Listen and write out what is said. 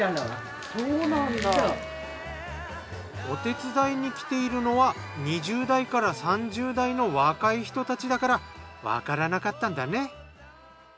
お手伝いに来ているのは２０代から３０代の若い人たちだからわからなかったんだね。